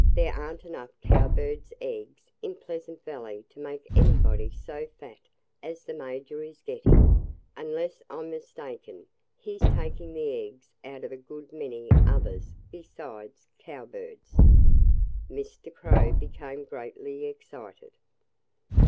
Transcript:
"There aren't enough Cowbirds' eggs in Pleasant Valley to make anybody so fat as the Major is getting. Unless I'm mistaken, he's taking the eggs of a good many others besides Cowbirds." Mr. Crow became greatly excited.